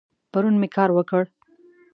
پرون می کار وکړ